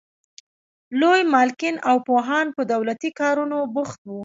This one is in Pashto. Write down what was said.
لوی مالکین او پوهان په دولتي کارونو بوخت وو.